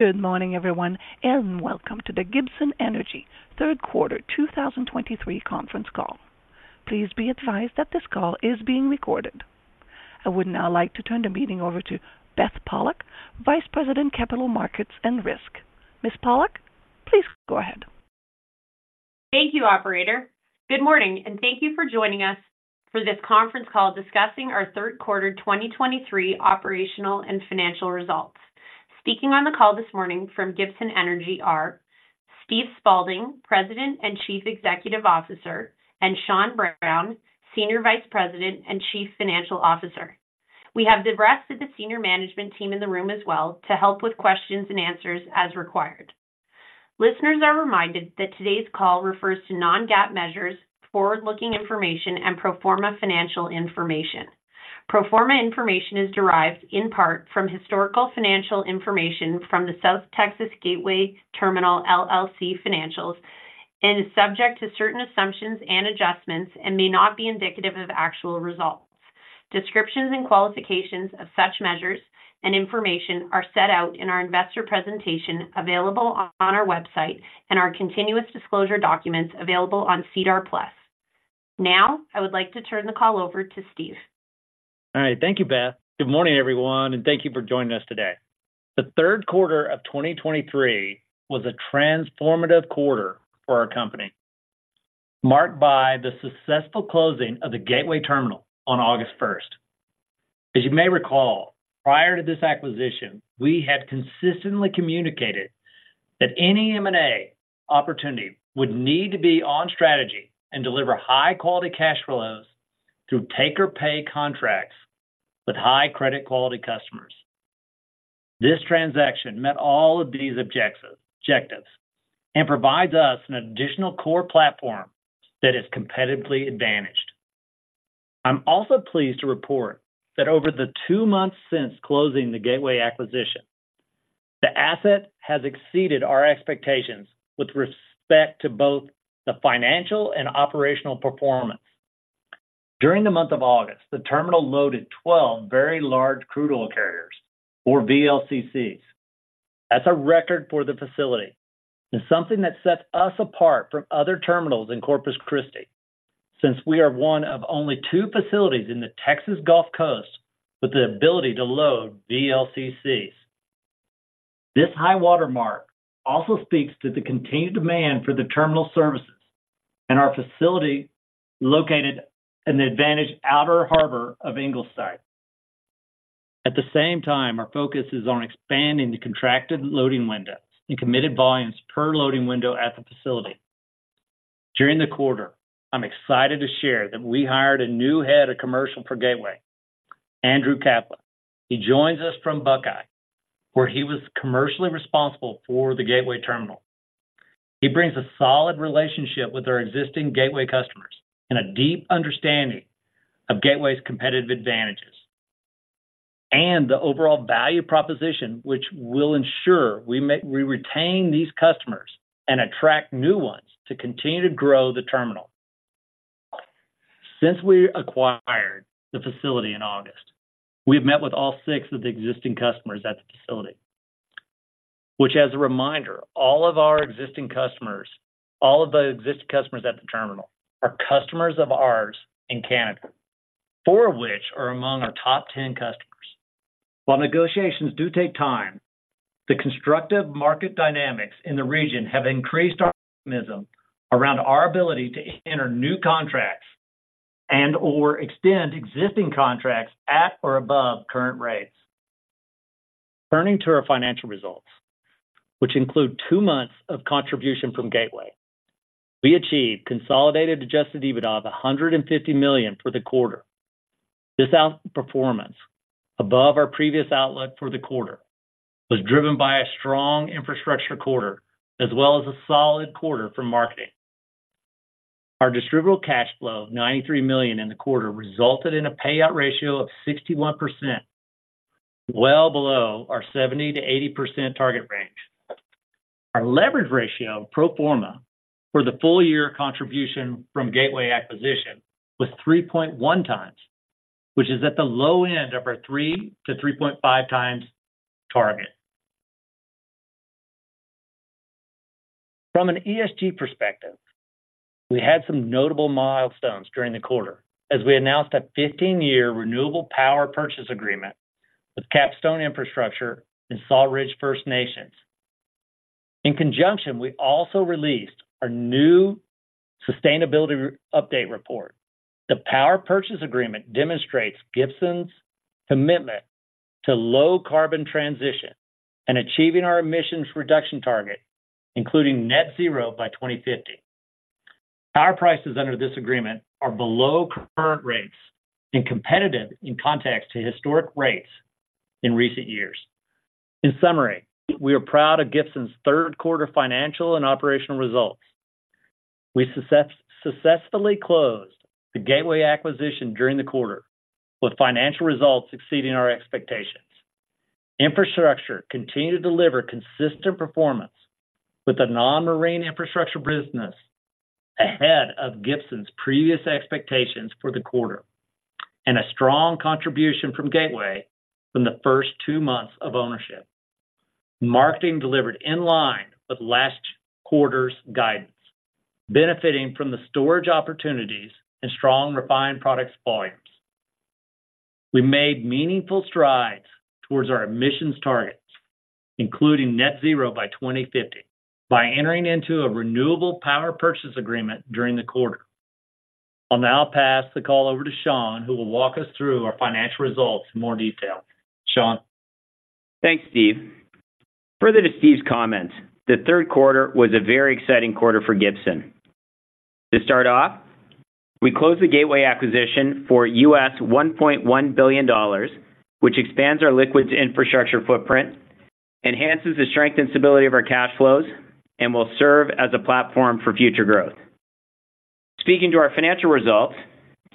Good morning, everyone, and welcome to the Gibson Energy third quarter 2023 conference call. Please be advised that this call is being recorded. I would now like to turn the meeting over to Beth Pollock, Vice President, Capital Markets and Risk. Ms. Pollock, please go ahead. Thank you, operator. Good morning, and thank you for joining us for this conference call discussing our third quarter 2023 operational and financial results. Speaking on the call this morning from Gibson Energy are Steve Spaulding, President and Chief Executive Officer, and Sean Brown, Senior Vice President and Chief Financial Officer. We have the rest of the senior management team in the room as well to help with questions and answers as required. Listeners are reminded that today's call refers to non-GAAP measures, forward-looking information and pro forma financial information. Pro forma information is derived in part from historical financial information from the South Texas Gateway Terminal, LLC, financials and is subject to certain assumptions and adjustments and may not be indicative of actual results. Descriptions and qualifications of such measures and information are set out in our investor presentation, available on our website and our continuous disclosure documents available on SEDAR+. Now, I would like to turn the call over to Steve. All right. Thank you, Beth. Good morning, everyone, and thank you for joining us today. The third quarter of 2023 was a transformative quarter for our company, marked by the successful closing of the Gateway Terminal on August 1. As you may recall, prior to this acquisition, we had consistently communicated that any M&A opportunity would need to be on strategy and deliver high-quality cash flows through take-or-pay contracts with high credit quality customers. This transaction met all of these objectives, objectives, and provides us an additional core platform that is competitively advantaged. I'm also pleased to report that over the two months since closing the Gateway acquisition, the asset has exceeded our expectations with respect to both the financial and operational performance. During the month of August, the terminal loaded 12 very large crude oil carriers or VLCCs. That's a record for the facility and something that sets us apart from other terminals in Corpus Christi, since we are one of only two facilities in the Texas Gulf Coast with the ability to load VLCCs. This high watermark also speaks to the continued demand for the terminal services and our facility located in the advantaged Outer Harbor of Ingleside. At the same time, our focus is on expanding the contracted loading window and committed volumes per loading window at the facility. During the quarter, I'm excited to share that we hired a new Head of Commercial for Gateway, Andrew Kaplun. He joins us from Buckeye, where he was commercially responsible for the Gateway Terminal. He brings a solid relationship with our existing Gateway customers and a deep understanding of Gateway's competitive advantages and the overall value proposition, which will ensure we retain these customers and attract new ones to continue to grow the terminal. Since we acquired the facility in August, we've met with all six of the existing customers at the facility, which, as a reminder, all of our existing customers, all of the existing customers at the terminal are customers of ours in Canada, four of which are among our top 10 customers. While negotiations do take time, the constructive market dynamics in the region have increased our optimism around our ability to enter new contracts and/or extend existing contracts at or above current rates. Turning to our financial results, which include two months of contribution from Gateway, we achieved consolidated Adjusted EBITDA of 150 million for the quarter. This outperformance, above our previous outlook for the quarter, was driven by a strong infrastructure quarter, as well as a solid quarter for marketing. Our distributable cash flow, 93 million in the quarter, resulted in a payout ratio of 61%, well below our 70%-80% target range. Our leverage ratio, pro forma, for the full year contribution from Gateway acquisition was 3.1 times, which is at the low end of our 3-3.5 times target. From an ESG perspective, we had some notable milestones during the quarter as we announced a 15-year renewable power purchase agreement with Capstone Infrastructure and Sawridge First Nation. In conjunction, we also released our new sustainability update report. The power purchase agreement demonstrates Gibson's commitment to low carbon transition and achieving our emissions reduction target, including net zero by 2050. Power prices under this agreement are below current rates and competitive in context to historic rates in recent years. In summary, we are proud of Gibson's third quarter financial and operational results. We successfully closed the Gateway acquisition during the quarter, with financial results exceeding our expectations. Infrastructure continued to deliver consistent performance with the non-marine infrastructure business ahead of Gibson's previous expectations for the quarter and a strong contribution from Gateway from the first two months of ownership. Marketing delivered in line with last quarter's guidance, benefiting from the storage opportunities and strong refined products volumes. We made meaningful strides towards our emissions targets, including net zero by 2050, by entering into a renewable power purchase agreement during the quarter. I'll now pass the call over to Sean, who will walk us through our financial results in more detail. Sean? Thanks, Steve. Further to Steve's comments, the third quarter was a very exciting quarter for Gibson. To start off, we closed the Gateway acquisition for $1.1 billion, which expands our liquids infrastructure footprint, enhances the strength and stability of our cash flows, and will serve as a platform for future growth. Speaking to our financial results,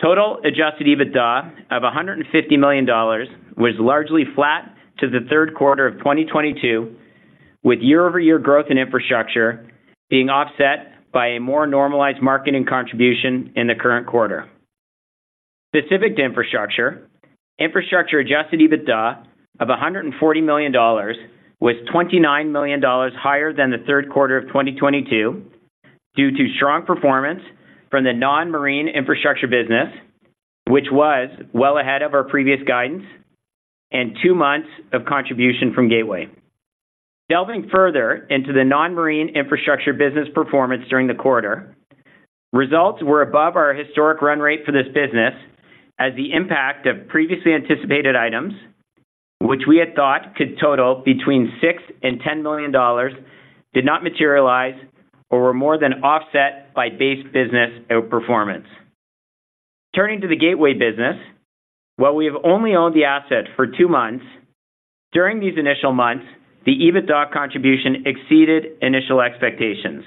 total Adjusted EBITDA of 150 million dollars was largely flat to the third quarter of 2022, with year-over-year growth in infrastructure being offset by a more normalized marketing contribution in the current quarter. Specific to infrastructure, infrastructure Adjusted EBITDA of 140 million dollars was 29 million higher than the third quarter of 2022, due to strong performance from the non-marine infrastructure business, which was well ahead of our previous guidance, and two months of contribution from Gateway. Delving further into the non-marine infrastructure business performance during the quarter, results were above our historic run rate for this business, as the impact of previously anticipated items, which we had thought could total between $6 million and $10 million, did not materialize or were more than offset by base business outperformance. Turning to the Gateway business, while we have only owned the asset for two months, during these initial months, the EBITDA contribution exceeded initial expectations.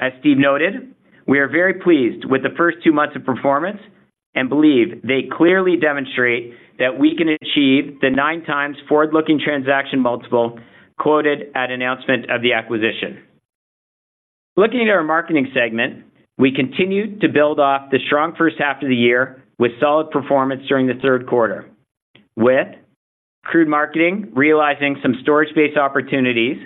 As Steve noted, we are very pleased with the first two months of performance and believe they clearly demonstrate that we can achieve the 9x forward-looking transaction multiple quoted at announcement of the acquisition. Looking at our marketing segment, we continued to build off the strong first half of the year with solid performance during the third quarter, with crude marketing realizing some storage-based opportunities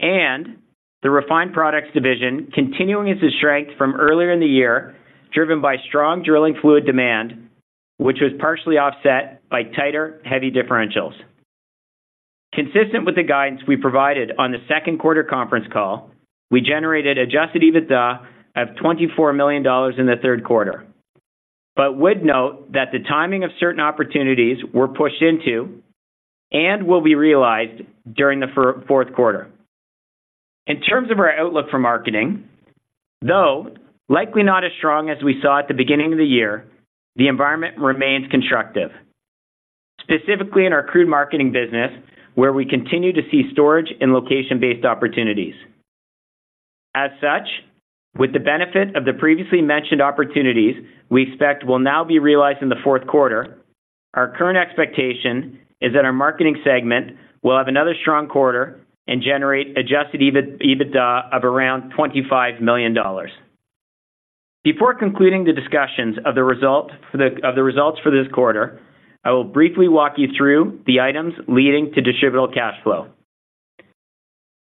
and the refined products division continuing its strength from earlier in the year, driven by strong drilling fluid demand, which was partially offset by tighter, heavy differentials. Consistent with the guidance we provided on the second quarter conference call, we generated Adjusted EBITDA of 24 million dollars in the third quarter, but would note that the timing of certain opportunities were pushed into and will be realized during the fourth quarter. In terms of our outlook for marketing, though likely not as strong as we saw at the beginning of the year, the environment remains constructive, specifically in our crude marketing business, where we continue to see storage and location-based opportunities. As such, with the benefit of the previously mentioned opportunities we expect will now be realized in the fourth quarter, our current expectation is that our marketing segment will have another strong quarter and generate Adjusted EBITDA of around 25 million dollars. Before concluding the discussions of the results for this quarter, I will briefly walk you through the items leading to distributable cash flow.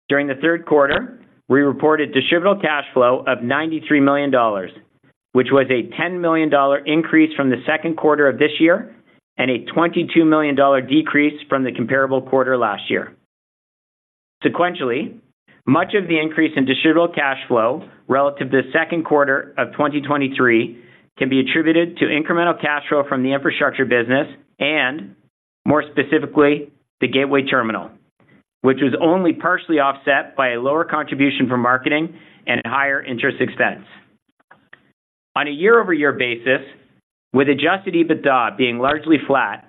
During the third quarter, we reported distributable cash flow of 93 million dollars, which was a 10 million dollar increase from the second quarter of this year and a 22 million dollar decrease from the comparable quarter last year. Sequentially, much of the increase in distributable cash flow relative to the second quarter of 2023 can be attributed to incremental cash flow from the infrastructure business and, more specifically, the Gateway Terminal, which was only partially offset by a lower contribution from marketing and higher interest expense. On a year-over-year basis, with Adjusted EBITDA being largely flat,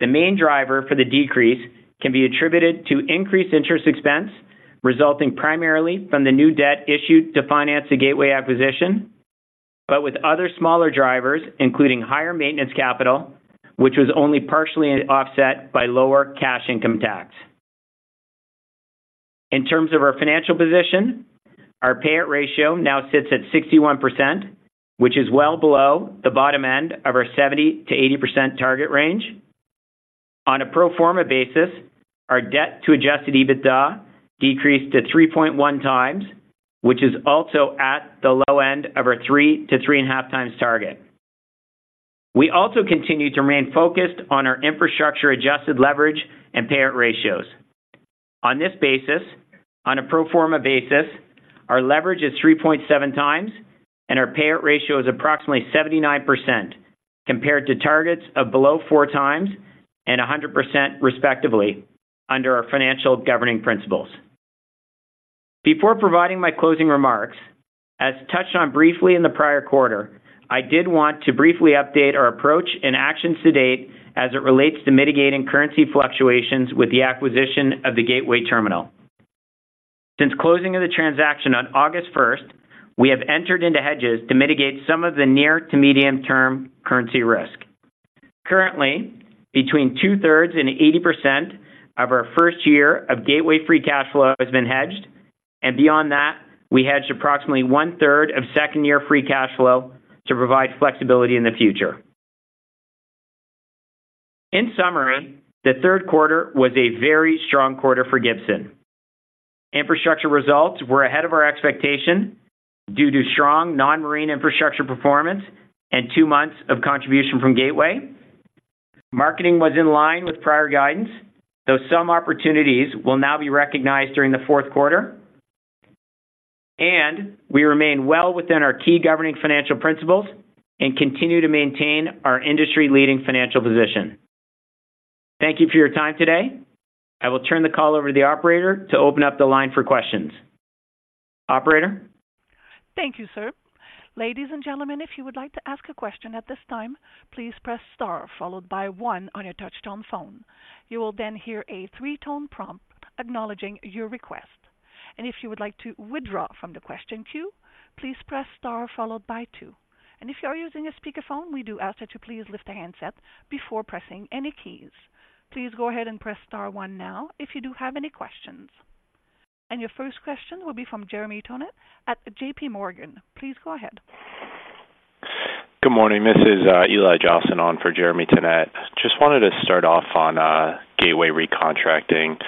the main driver for the decrease can be attributed to increased interest expense, resulting primarily from the new debt issued to finance the Gateway acquisition, but with other smaller drivers, including higher maintenance capital, which was only partially offset by lower cash income tax. In terms of our financial position, our payout ratio now sits at 61%, which is well below the bottom end of our 70%-80% target range. On a pro forma basis, our debt to Adjusted EBITDA decreased to 3.1 times, which is also at the low end of our 3-3.5 times target. We also continue to remain focused on our infrastructure-adjusted leverage and payout ratios. On this basis, on a pro forma basis, our leverage is 3.7 times and our payout ratio is approximately 79%, compared to targets of below 4 times and 100%, respectively, under our financial governing principles. Before providing my closing remarks, as touched on briefly in the prior quarter, I did want to briefly update our approach and actions to date as it relates to mitigating currency fluctuations with the acquisition of the Gateway Terminal. Since closing of the transaction on August first, we have entered into hedges to mitigate some of the near to medium-term currency risk. Currently, between two-thirds and 80% of our first year of Gateway free cash flow has been hedged, and beyond that, we hedge approximately one-third of second-year free cash flow to provide flexibility in the future. In summary, the third quarter was a very strong quarter for Gibson. Infrastructure results were ahead of our expectation due to strong non-marine infrastructure performance and two months of contribution from Gateway. Marketing was in line with prior guidance, though some opportunities will now be recognized during the fourth quarter. We remain well within our key governing financial principles and continue to maintain our industry-leading financial position. Thank you for your time today. I will turn the call over to the operator to open up the line for questions. Operator? Thank you, sir. Ladies and gentlemen, if you would like to ask a question at this time, please press star followed by one on your touchtone phone. You will then hear a three-tone prompt acknowledging your request. And if you would like to withdraw from the question queue, please press star followed by two. And if you are using a speakerphone, we do ask that you please lift the handset before pressing any keys. Please go ahead and press star one now if you do have any questions. And your first question will be from Jeremy Tonet at JP Morgan. Please go ahead. Good morning, this is Eli Jossen on for Jeremy Tonet. Just wanted to start off on Gateway recontracting.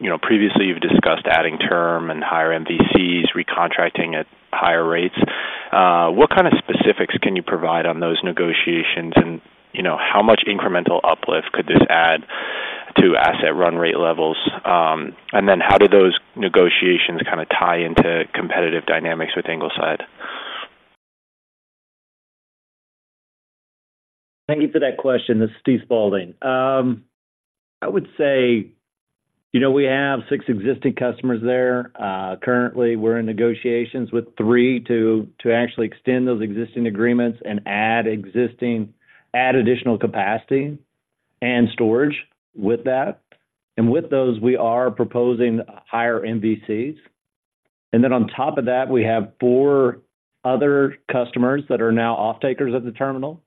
You know, previously you've discussed adding term and higher MVCs, recontracting at higher rates. What kind of specifics can you provide on those negotiations? And, you know, how much incremental uplift could this add to asset run rate levels? And then how do those negotiations kind of tie into competitive dynamics with Ingleside? Thank you for that question. This is Steve Spaulding. I would say, you know, we have six existing customers there. Currently, we're in negotiations with three to actually extend those existing agreements and add additional capacity and storage with that. And with those, we are proposing higher MVCs. And then on top of that, we have four other customers that are now offtakers of the terminal,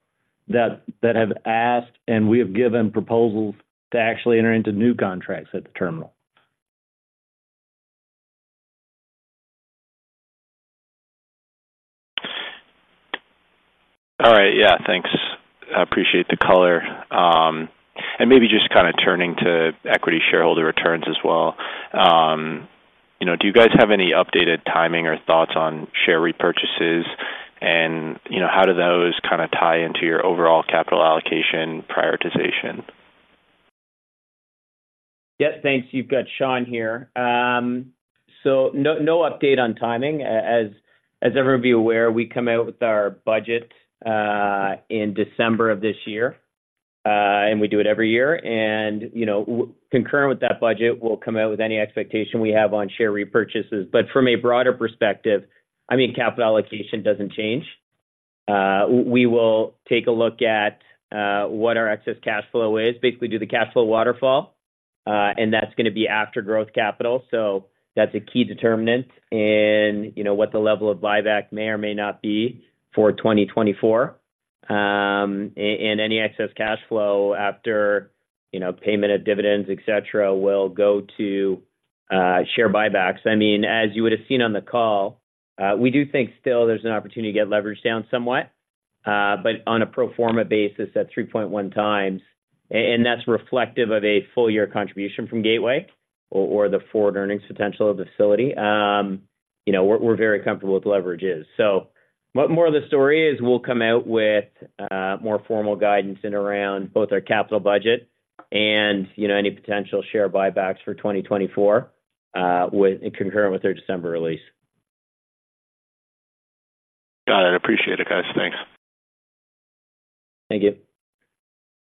that have asked, and we have given proposals to actually enter into new contracts at the terminal. All right. Yeah, thanks. I appreciate the color. And maybe just kind of turning to equity shareholder returns as well. You know, do you guys have any updated timing or thoughts on share repurchases? And, you know, how do those kind of tie into your overall capital allocation prioritization? Yes, thanks. You've got Sean here. So no, no update on timing. As, as everybody aware, we come out with our budget, in December of this year, and we do it every year. And, you know, concurrent with that budget, we'll come out with any expectation we have on share repurchases. But from a broader perspective, I mean, capital allocation doesn't change. We will take a look at, what our excess cash flow is, basically do the cash flow waterfall, and that's gonna be after growth capital. So that's a key determinant in, you know, what the level of buyback may or may not be for 2024. And any excess cash flow after, you know, payment of dividends, et cetera, will go to, share buybacks. I mean, as you would have seen on the call, we do think still there's an opportunity to get leverage down somewhat, but on a pro forma basis at 3.1x, and that's reflective of a full year contribution from Gateway or the forward earnings potential of the facility. You know, we're very comfortable with leverages. So more of the story is we'll come out with more formal guidance in around both our capital budget and, you know, any potential share buybacks for 2024, concurrent with our December release. Got it. I appreciate it, guys. Thanks. Thank you.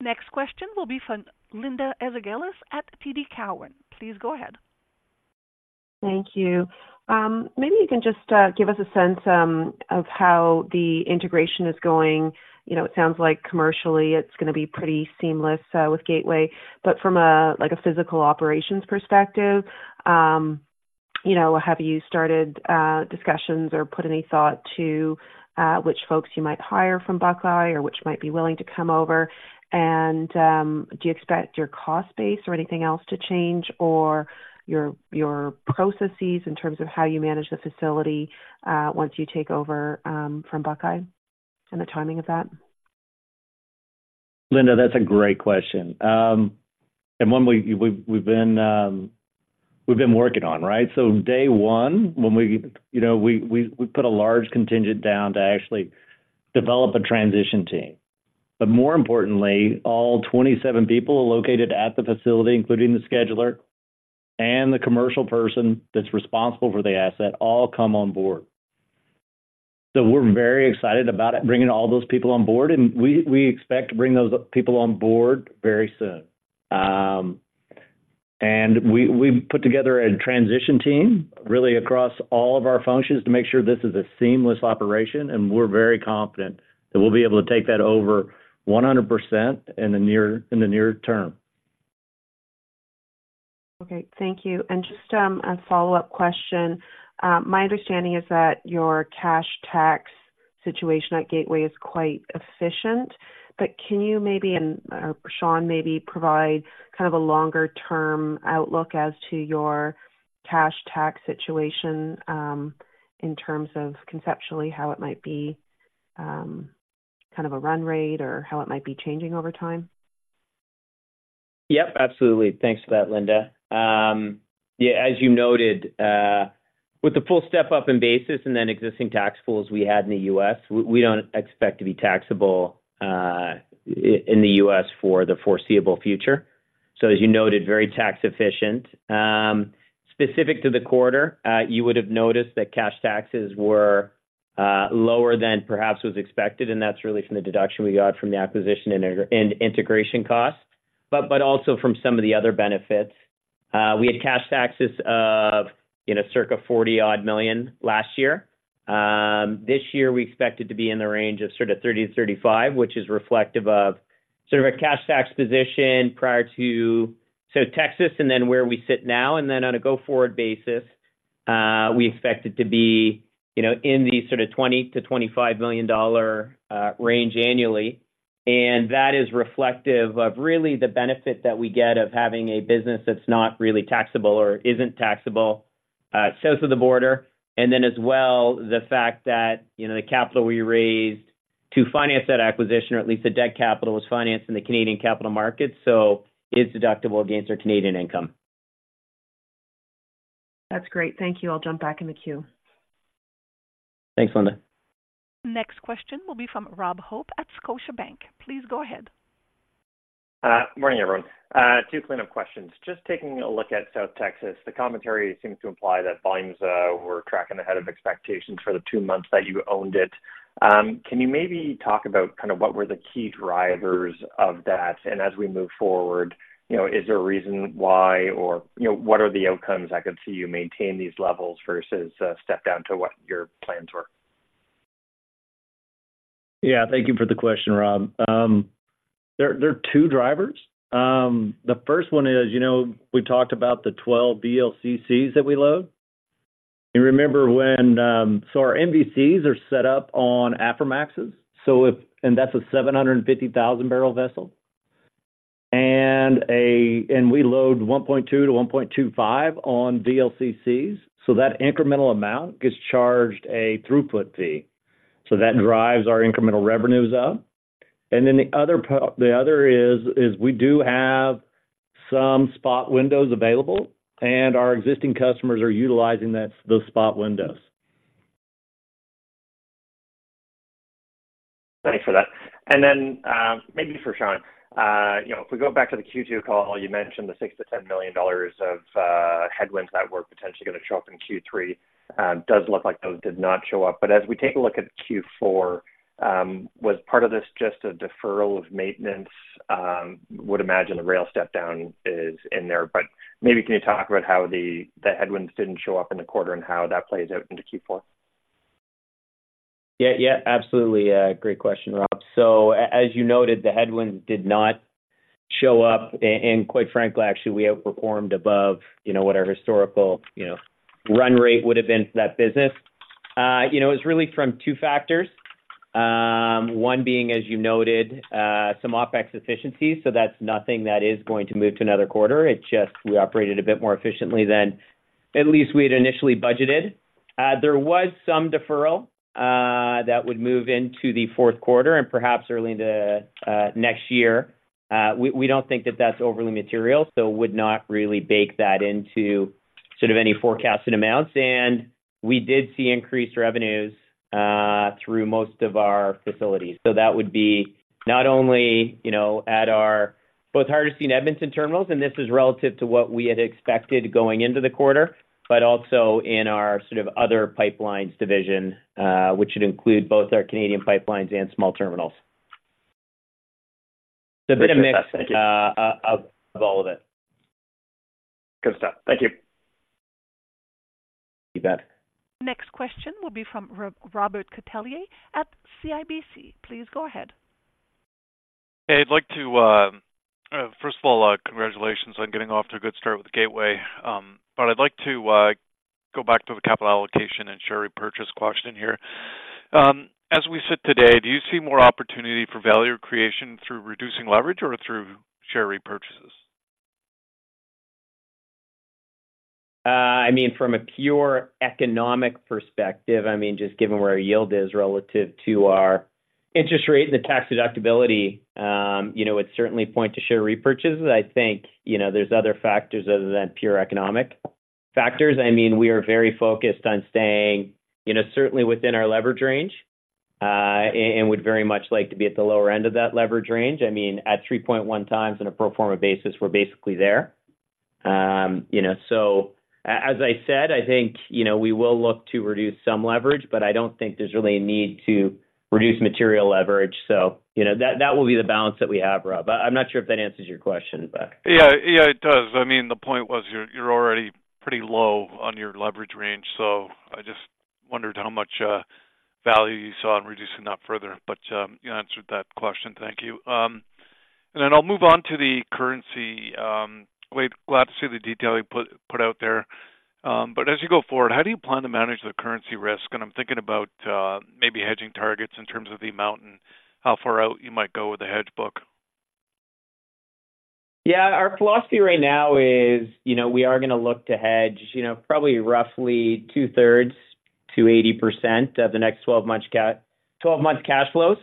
Next question will be from Linda Ezergailis at TD Cowen. Please go ahead. Thank you. Maybe you can just give us a sense of how the integration is going. You know, it sounds like commercially it's gonna be pretty seamless with Gateway, but from a like a physical operations perspective, you know, have you started discussions or put any thought to which folks you might hire from Buckeye or which might be willing to come over? And do you expect your cost base or anything else to change or your processes in terms of how you manage the facility once you take over from Buckeye and the timing of that? Linda, that's a great question, and one we've been working on, right? So day one, when we... You know, we put a large contingent down to actually develop a transition team. But more importantly, all 27 people located at the facility, including the scheduler and the commercial person that's responsible for the asset, all come on board. So we're very excited about it, bringing all those people on board, and we expect to bring those people on board very soon. And we've put together a transition team, really across all of our functions, to make sure this is a seamless operation, and we're very confident that we'll be able to take that over 100% in the near term. Okay, thank you. And just, a follow-up question. My understanding is that your cash tax situation at Gateway is quite efficient, but can you maybe, and, Sean, maybe provide kind of a longer-term outlook as to your cash tax situation, in terms of conceptually how it might be, kind of a run rate or how it might be changing over time? Yep, absolutely. Thanks for that, Linda. Yeah, as you noted, with the full step up in basis and then existing tax pools we had in the U.S., we don't expect to be taxable in the U.S. for the foreseeable future. So as you noted, very tax efficient. Specific to the quarter, you would have noticed that cash taxes were lower than perhaps was expected, and that's really from the deduction we got from the acquisition and integration costs, but also from some of the other benefits. We had cash taxes of, you know, circa 40-odd million last year. This year, we expect it to be in the range of sort of 30-35 million, which is reflective of sort of a cash tax position prior to, so Texas and then where we sit now, and then on a go-forward basis, we expect it to be, you know, in the sort of 20-25 million dollar range annually. And that is reflective of really the benefit that we get of having a business that's not really taxable or isn't taxable south of the border. And then as well, the fact that, you know, the capital we raised to finance that acquisition, or at least the debt capital, was financed in the Canadian capital markets, so it's deductible against our Canadian income. That's great. Thank you. I'll jump back in the queue. Thanks, Linda. Next question will be from Rob Hope at Scotiabank. Please go ahead. Morning, everyone. Two cleanup questions. Just taking a look at South Texas, the commentary seems to imply that volumes were tracking ahead of expectations for the two months that you owned it. Can you maybe talk about kind of what were the key drivers of that? And as we move forward, you know, is there a reason why, or, you know, what are the outcomes I could see you maintain these levels versus step down to what your plans were? Yeah, thank you for the question, Rob. There, there are two drivers. The first one is, you know, we talked about the 12 VLCCs that we load. You remember when, so our MVCs are set up on Aframaxes, so if... And that's a 750,000-barrel vessel. And we load 1.2-1.25 on VLCCs, so that incremental amount gets charged a throughput fee, so that drives our incremental revenues up. And then the other is, we do have some spot windows available, and our existing customers are utilizing that, those spot windows. Thanks for that. And then, maybe for Sean, you know, if we go back to the Q2 call, you mentioned the 6 million-10 million dollars of headwinds that were potentially going to show up in Q3. Does look like those did not show up. But as we take a look at Q4, was part of this just a deferral of maintenance? Would imagine the rail step down is in there, but maybe can you talk about how the headwinds didn't show up in the quarter and how that plays out into Q4? Yeah, yeah, absolutely. Great question, Rob. So as you noted, the headwinds did not show up, and quite frankly, actually, we outperformed above, you know, what our historical, you know, run rate would have been for that business. You know, it was really from two factors. One being, as you noted, some OpEx efficiencies, so that's nothing that is going to move to another quarter. It's just we operated a bit more efficiently than at least we had initially budgeted. There was some deferral that would move into the fourth quarter and perhaps early into next year. We don't think that that's overly material, so would not really bake that into sort of any forecasted amounts. And we did see increased revenues through most of our facilities. So that would be not only, you know, at our both Hardisty and Edmonton terminals, and this is relative to what we had expected going into the quarter, but also in our sort of other pipelines division, which would include both our Canadian pipelines and small terminals. Thanks for that. So a bit of mix, of all of it. Good stuff. Thank you. You bet. Next question will be from Robert Catellier at CIBC. Please go ahead. Hey, I'd like to first of all, congratulations on getting off to a good start with Gateway. But I'd like to go back to the capital allocation and share repurchase question here. As we sit today, do you see more opportunity for value creation through reducing leverage or through share repurchases? I mean, from a pure economic perspective, I mean, just given where our yield is relative to our interest rate and the tax deductibility, you know, it's certainly points to share repurchases. I think, you know, there's other factors other than pure economic factors. I mean, we are very focused on staying, you know, certainly within our leverage range, and would very much like to be at the lower end of that leverage range. I mean, at 3.1x on a pro forma basis, we're basically there. You know, so as I said, I think, you know, we will look to reduce some leverage, but I don't think there's really a need to reduce material leverage. So, you know, that, that will be the balance that we have, Rob. But I'm not sure if that answers your question, but- Yeah. Yeah, it does. I mean, the point was, you're already pretty low on your leverage range, so I just wondered how much value you saw in reducing that further, but you answered that question. Thank you. And then I'll move on to the currency. We're glad to see the detail you put out there. But as you go forward, how do you plan to manage the currency risk? And I'm thinking about maybe hedging targets in terms of the amount and how far out you might go with the hedge book. Yeah. Our philosophy right now is, you know, we are gonna look to hedge, you know, probably roughly 2/3-80% of the next 12 month cash flows.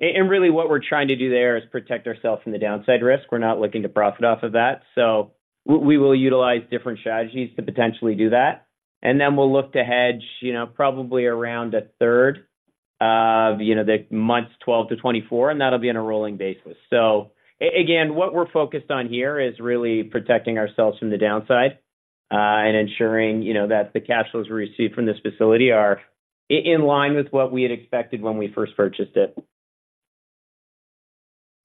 And really what we're trying to do there is protect ourselves from the downside risk. We're not looking to profit off of that. So we will utilize different strategies to potentially do that, and then we'll look to hedge, you know, probably around a third of, you know, the months 12-24, and that'll be on a rolling basis. So again, what we're focused on here is really protecting ourselves from the downside, and ensuring, you know, that the cash flows received from this facility are in line with what we had expected when we first purchased it.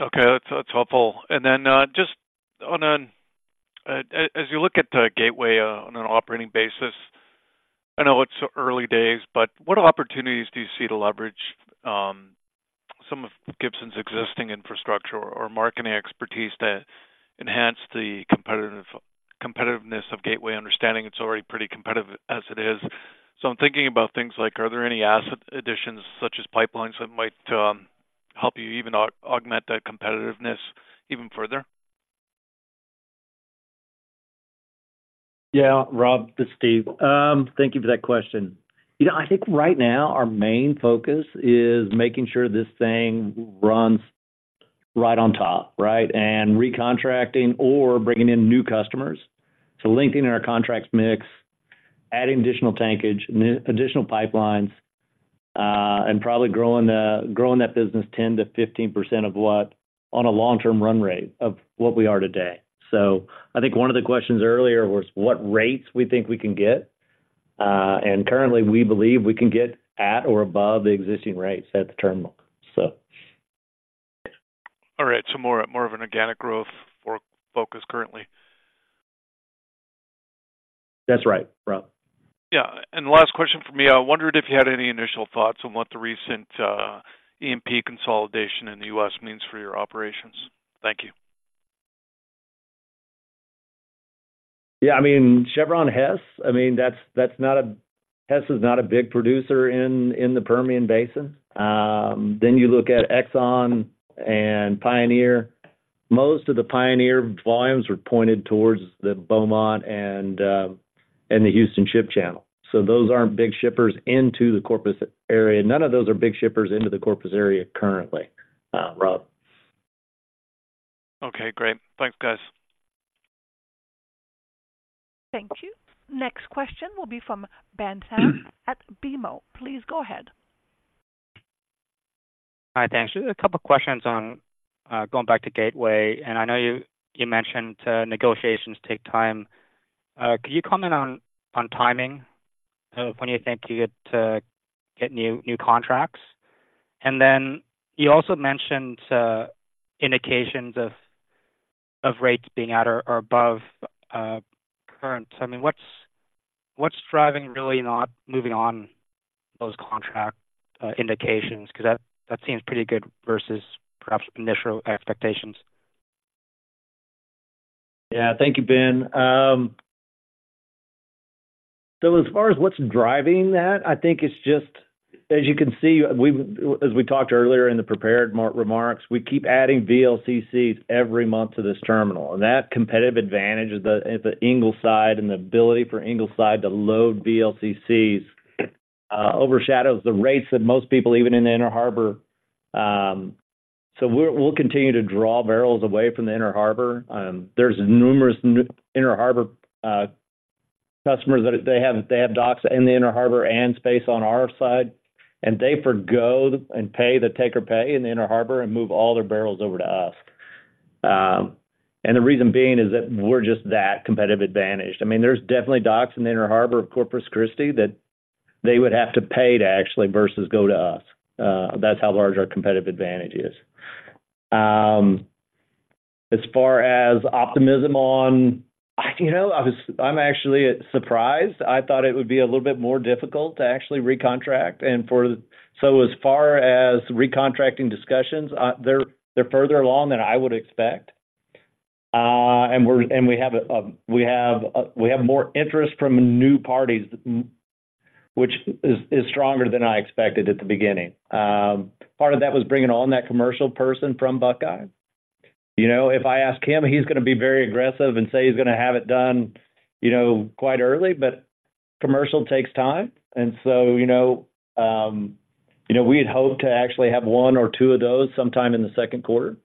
Okay. That's, that's helpful. And then, just on an... As you look at, Gateway, on an operating basis, I know it's early days, but what opportunities do you see to leverage, some of Gibson's existing infrastructure or marketing expertise to enhance the competitiveness of Gateway? Understanding it's already pretty competitive as it is. So I'm thinking about things like, are there any asset additions, such as pipelines, that might, help you even augment that competitiveness even further? Yeah, Rob, this is Steve. Thank you for that question. You know, I think right now our main focus is making sure this thing runs right on top, right? And recontracting or bringing in new customers. So lengthening our contracts mix, adding additional tankage, additional pipelines, and probably growing that business 10%-15% of what on a long-term run rate of what we are today. So I think one of the questions earlier was what rates we think we can get? And currently, we believe we can get at or above the existing rates at the terminal, so. All right. So more, more of an organic growth for focus currently. That's right, Rob. Yeah. And the last question for me, I wondered if you had any initial thoughts on what the recent EMP consolidation in the U.S. means for your operations. Thank you. Yeah, I mean, Chevron-Hess, I mean, that's not. Hess is not a big producer in the Permian Basin. Then you look at Exxon and Pioneer. Most of the Pioneer volumes were pointed towards the Beaumont and the Houston Ship Channel. So those aren't big shippers into the Corpus area. None of those are big shippers into the Corpus area currently, Rob. Okay, great. Thanks, guys. Thank you. Next question will be from Ben Pham at BMO. Please go ahead. Hi, thanks. Just a couple of questions on, going back to Gateway, and I know you mentioned negotiations take time. Could you comment on, on timing, when you think you get new contracts? And then you also mentioned, indications of, of rates being at or, or above, current. I mean, what's driving really not moving on those contract indications? Because that seems pretty good versus perhaps initial expectations. Yeah. Thank you, Ben. So as far as what's driving that, I think it's just as you can see, we've as we talked earlier in the prepared remarks, we keep adding VLCCs every month to this terminal, and that competitive advantage of the, at the Ingleside and the ability for Ingleside to load VLCCs, overshadows the rates that most people, even in the Inner Harbor. So we'll, we'll continue to draw barrels away from the Inner Harbor. There's numerous Inner Harbor, customers, that they have, they have docks in the Inner Harbor and space on our side, and they forgo and pay the take or pay in the Inner Harbor and move all their barrels over to us. And the reason being is that we're just that competitive advantaged. I mean, there's definitely docks in the Inner Harbor of Corpus Christi that they would have to pay to actually versus go to us. That's how large our competitive advantage is. As far as optimism on, you know, I was. I'm actually surprised. I thought it would be a little bit more difficult to actually recontract and for... So as far as recontracting discussions, they're further along than I would expect. And we have more interest from new parties, which is stronger than I expected at the beginning. Part of that was bringing on that commercial person from Buckeye. You know, if I ask him, he's gonna be very aggressive and say he's gonna have it done, you know, quite early, but commercial takes time. And so, you know, you know, we'd hoped to actually have one or two of those sometime in the second quarter.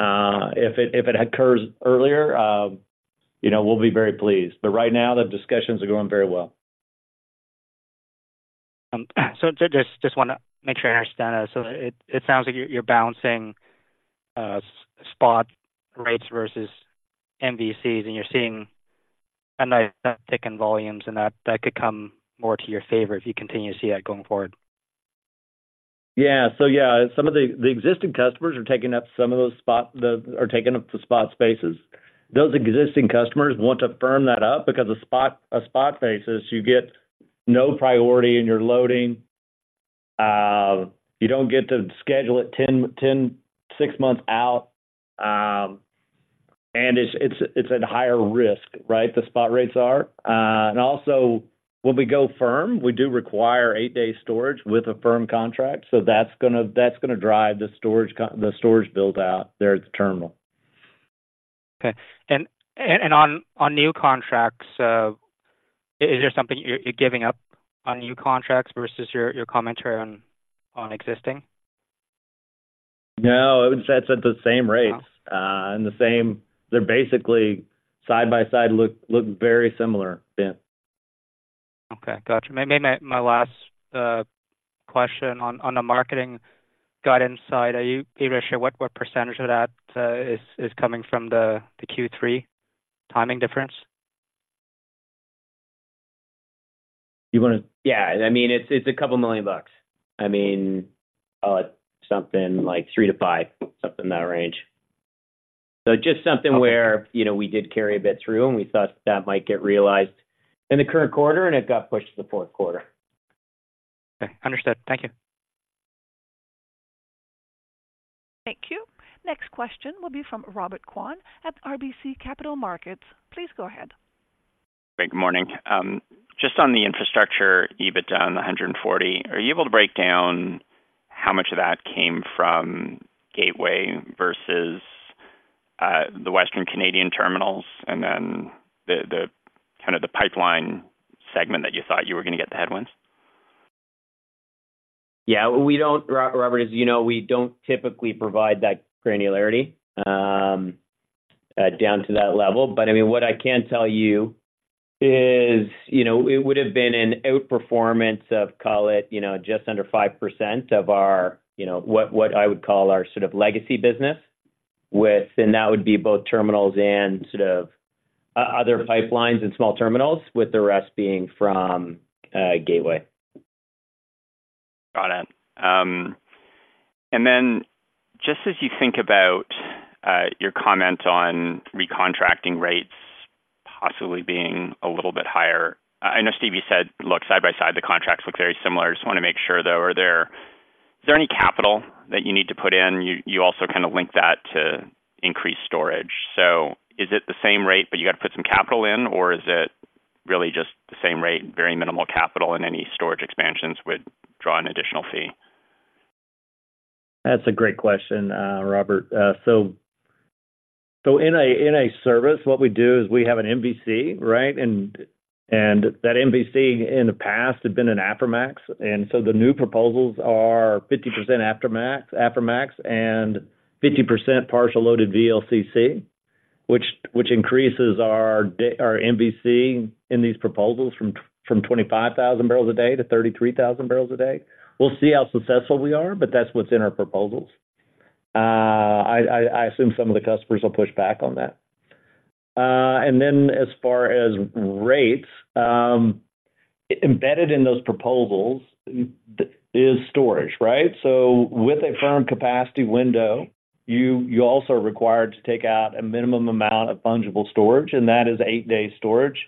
If it occurs earlier, you know, we'll be very pleased. But right now, the discussions are going very well. Just wanna make sure I understand. It sounds like you're balancing spot rates versus MVCs, and you're seeing a nice tick in volumes, and that could come more to your favor if you continue to see that going forward? Yeah. So yeah, some of the existing customers are taking up some of those spot spaces. Those existing customers want to firm that up because a spot space, you get no priority in your loading, you don't get to schedule it 10 to 6 months out, and it's at higher risk, right? The spot rates are. And also, when we go firm, we do require 8-day storage with a firm contract. So that's gonna drive the storage build out there at the terminal. Okay. And on new contracts, is there something you're giving up on new contracts versus your commentary on existing? No, it's at the same rates. Wow! And the same. They're basically side by side, look very similar, Ben. Okay, got you. Maybe my last question on the marketing guidance side. Are you pretty sure what percentage of that is coming from the Q3 timing difference? You want to- Yeah. I mean, it's a couple million bucks. I mean, something like $3 million-$5 million, something in that range. So just something where- Okay. You know, we did carry a bit through, and we thought that might get realized in the current quarter, and it got pushed to the fourth quarter. Okay, understood. Thank you. Thank you. Next question will be from Robert Kwan at RBC Capital Markets. Please go ahead. Great, good morning. Just on the infrastructure, EBITDA, 140, are you able to break down how much of that came from Gateway versus the Western Canadian terminals, and then the kind of pipeline segment that you thought you were gonna get the headwinds? Yeah, we don't Robert, as you know, we don't typically provide that granularity down to that level. But, I mean, what I can tell you is, you know, it would have been an outperformance of, call it, you know, just under 5% of our, you know, what I would call our sort of legacy business with, and that would be both terminals and sort of other pipelines and small terminals, with the rest being from Gateway. Got it. And then just as you think about your comment on recontracting rates possibly being a little bit higher. I know, Steve, you said, look, side by side, the contracts look very similar. I just want to make sure, though, is there any capital that you need to put in? You, you also kind of link that to increased storage. So is it the same rate, but you got to put some capital in, or is it really just the same rate, very minimal capital, and any storage expansions would draw an additional fee? That's a great question, Robert. So in a service, what we do is we have an MVC, right? And that MVC in the past had been an Aframax, and so the new proposals are 50% Aframax and 50% partial loaded VLCC, which increases our MVC in these proposals from 25,000 barrels a day to 33,000 barrels a day. We'll see how successful we are, but that's what's in our proposals. I assume some of the customers will push back on that. And then as far as rates, embedded in those proposals is storage, right? So with a firm capacity window, you also are required to take out a minimum amount of fungible storage, and that is 8-day storage.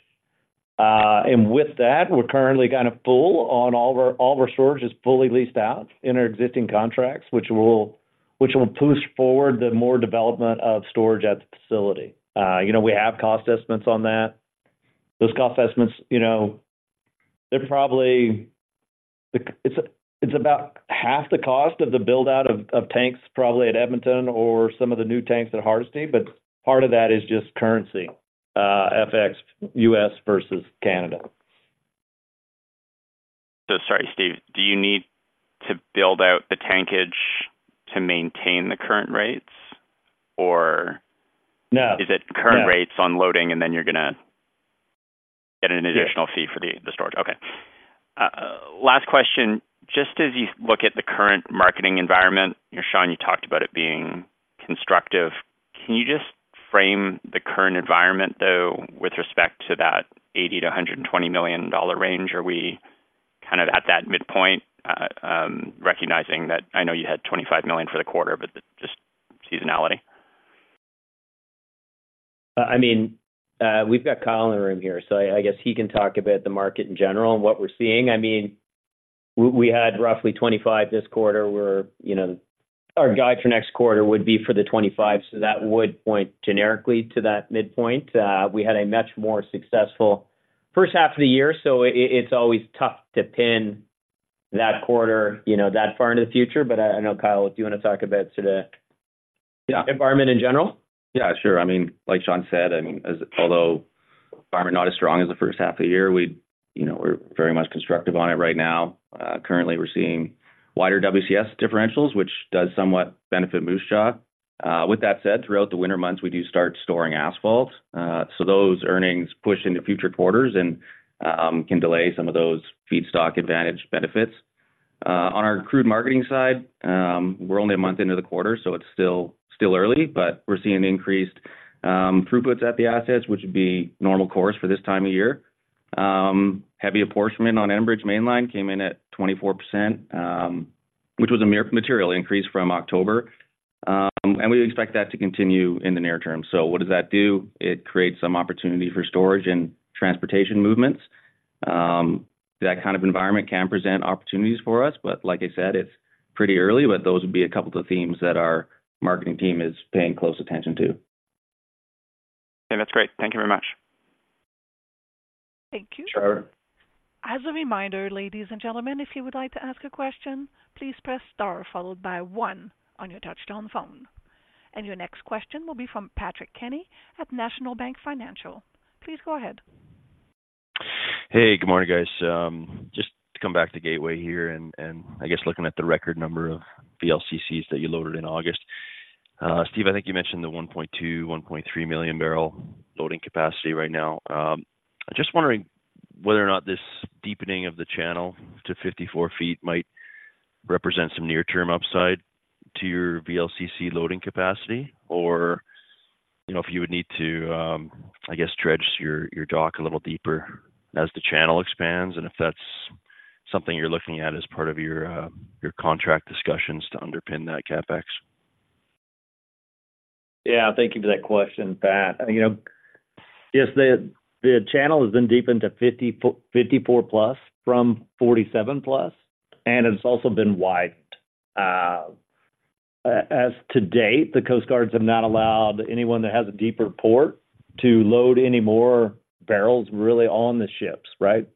And with that, we're currently kind of full on all of our storage is fully leased out in our existing contracts, which will push forward the more development of storage at the facility. You know, we have cost estimates on that. Those cost estimates, you know, they're probably it's about half the cost of the build-out of tanks, probably at Edmonton or some of the new tanks at Hardisty, but part of that is just currency, FX, U.S. versus Canada. So sorry, Steve, do you need to build out the tankage to maintain the current rates or? No. Is it current rates on loading, and then you're gonna get an additional fee for the, the storage? Okay. Last question. Just as you look at the current marketing environment, Sean, you talked about it being constructive. Can you just frame the current environment, though, with respect to that 80 million-120 million dollar range? Are we kind of at that midpoint, recognizing that I know you had 25 million for the quarter, but just seasonality? I mean, we've got Kyle in the room here, so I guess he can talk about the market in general and what we're seeing. I mean, we had roughly 25 this quarter, where, you know, our guide for next quarter would be for the 25, so that would point generically to that midpoint. We had a much more successful first half of the year, so it's always tough to pin that quarter, you know, that far into the future. But I know, Kyle, if you want to talk about sort of- Yeah environment in general? Yeah, sure. I mean, like Sean said, I mean, as although environment not as strong as the first half of the year, we, you know, we're very much constructive on it right now. Currently, we're seeing wider WCS differentials, which does somewhat benefit Moose Jaw. With that said, throughout the winter months, we do start storing asphalts. So those earnings push into future quarters and can delay some of those feedstock advantage benefits. On our crude marketing side, we're only a month into the quarter, so it's still early, but we're seeing increased throughputs at the assets, which would be normal course for this time of year. Heavy apportionment on Enbridge Mainline came in at 24%, which was a material increase from October. And we expect that to continue in the near term. So what does that do? It creates some opportunity for storage and transportation movements. That kind of environment can present opportunities for us, but like I said, it's pretty early, but those would be a couple of themes that our marketing team is paying close attention to. That's great. Thank you very much. Thank you. Sure. As a reminder, ladies and gentlemen, if you would like to ask a question, please press star followed by one on your touchtone phone. Your next question will be from Patrick Kenny at National Bank Financial. Please go ahead. Hey, good morning, guys. Just to come back to Gateway here and I guess looking at the record number of VLCCs that you loaded in August. Steve, I think you mentioned the 1.2-1.3 million barrel loading capacity right now. I'm just wondering whether or not this deepening of the channel to 54 feet might represent some near-term upside to your VLCC loading capacity, or, you know, if you would need to, I guess, dredge your dock a little deeper as the channel expands, and if that's something you're looking at as part of your contract discussions to underpin that CapEx? Yeah, thank you for that question, Pat. You know, yes, the channel has been deepened to 54, 54+ from 47+, and it's also been widened. As to date, the Coast Guards have not allowed anyone that has a deeper port to load any more barrels, really, on the ships, right?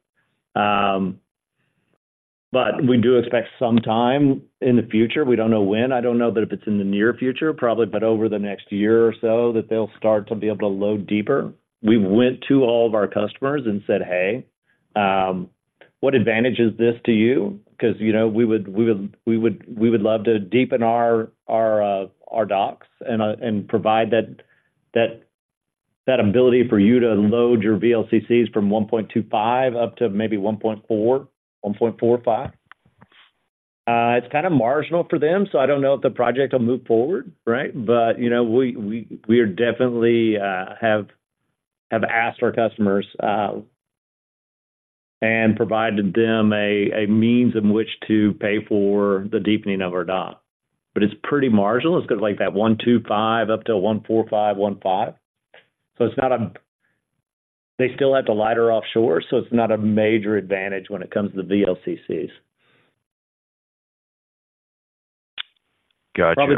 But we do expect some time in the future, we don't know when, I don't know that if it's in the near future, probably, but over the next year or so, that they'll start to be able to load deeper. We went to all of our customers and said, "Hey, what advantage is this to you? Because, you know, we would love to deepen our docks and provide that ability for you to load your VLCCs from 1.25 up to maybe 1.4-1.45. It's kind of marginal for them, so I don't know if the project will move forward, right? But, you know, we definitely have asked our customers and provided them a means in which to pay for the deepening of our dock. But it's pretty marginal. It's got like that 1.25 up to a 1.45-1.5. So it's not a... They still have to lighter offshore, so it's not a major advantage when it comes to the VLCCs. Gotcha, okay.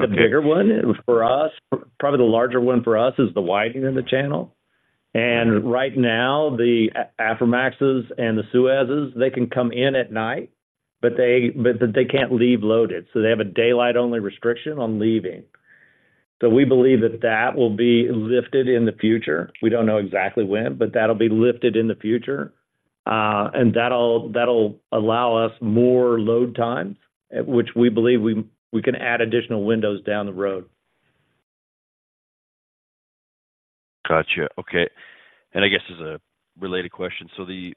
Probably the larger one for us is the widening of the channel. And right now, the Aframaxes and the Suezmaxes, they can come in at night, but they can't leave loaded, so they have a daylight-only restriction on leaving. So we believe that will be lifted in the future. We don't know exactly when, but that'll be lifted in the future. And that'll allow us more load time, at which we believe we can add additional windows down the road. Gotcha. Okay. And I guess as a related question: so the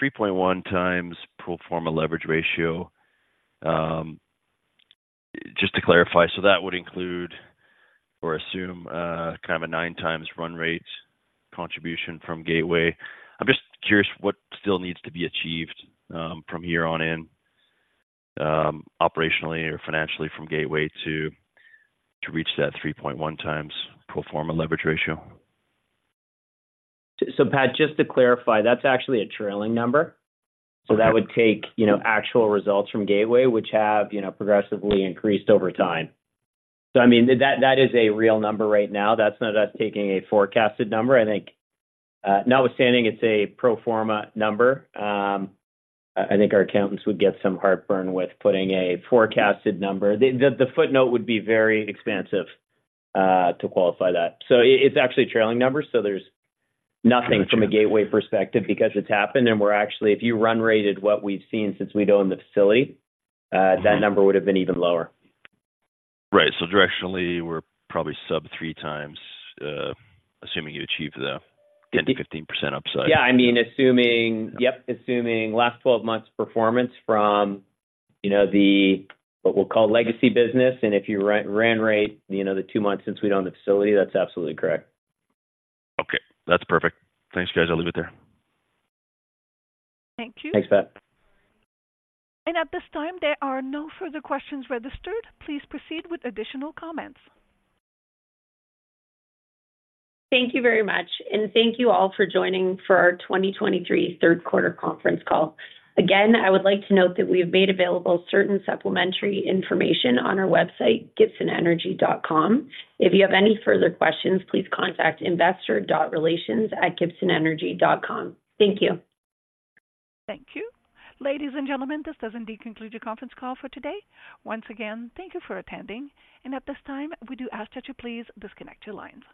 3.1x pro forma leverage ratio, just to clarify, so that would include or assume kind of a 9x run rate contribution from Gateway. I'm just curious what still needs to be achieved from here on in, operationally or financially from Gateway to reach that 3.1x pro forma leverage ratio? Pat, just to clarify, that's actually a trailing number. Okay. So that would take, you know, actual results from Gateway, which have, you know, progressively increased over time. So I mean, that, that is a real number right now. That's not us taking a forecasted number. I think, notwithstanding, it's a pro forma number. I think our accountants would get some heartburn with putting a forecasted number. The footnote would be very expansive, to qualify that. So it, it's actually a trailing number, so there's nothing- Got you. From a Gateway perspective because it's happened, and we're actually-- If you run rate what we've seen since we've owned the facility, that number would have been even lower. Right. So directionally, we're probably sub three times, assuming you achieve the 10%-15% upside. Yeah, I mean, assuming, yep, assuming last 12 months performance from, you know, the, what we'll call legacy business, and if you run rate, you know, the 2 months since we owned the facility, that's absolutely correct. Okay, that's perfect. Thanks, guys. I'll leave it there. Thank you. Thanks, Pat. At this time, there are no further questions registered. Please proceed with additional comments. Thank you very much, and thank you all for joining for our 2023 third quarter conference call. Again, I would like to note that we have made available certain supplementary information on our website, gibsonenergy.com. If you have any further questions, please contact investor.relations@gibsonenergy.com. Thank you. Thank you. Ladies and gentlemen, this does indeed conclude your conference call for today. Once again, thank you for attending, and at this time, we do ask that you please disconnect your lines.